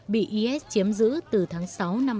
bị is chiếm giữ từ tháng sáu năm hai nghìn một mươi